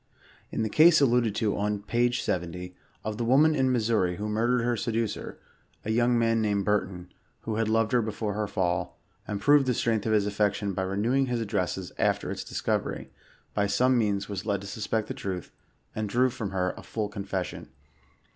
In the case alluded to on page 70, of the woman in Missouri who murdered her seducer ; a young man named Burton, who had loved her before her fall, and proved the strength of his afiection by renewing his addresses after its discovery, by some means was led to suspect the truth, and drew from hejr a full confession.